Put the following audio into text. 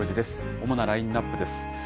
主なラインナップです。